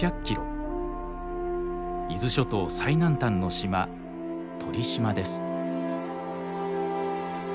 伊豆諸島最南端の島鳥島です。